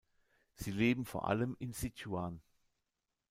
Sie leben vor allem in Sichuan.